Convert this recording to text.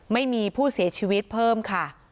ไม่มีผู้เสียชีวิตเพิ่มค่ะ